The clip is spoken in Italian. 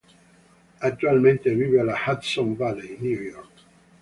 Attualmente vive alla Hudson Valley, New York.